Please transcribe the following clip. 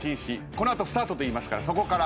この後「スタート」と言いますからそこから。